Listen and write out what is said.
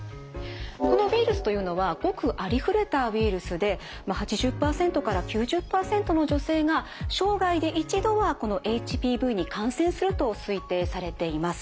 このウイルスというのはごくありふれたウイルスで８０％から９０％の女性が生涯で１度はこのＨＰＶに感染すると推定されています。